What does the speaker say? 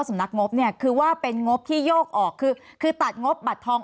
สำนักงบเนี่ยคือว่าเป็นงบที่โยกออกคือคือตัดงบบัตรทอง